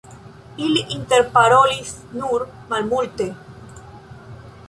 Ili interparolis nur malmulte.